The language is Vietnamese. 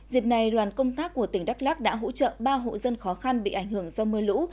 dịp này đoàn công tác của tỉnh đắk lắc đã hỗ trợ ba hộ dân khó khăn bị ảnh hưởng do mưa lũ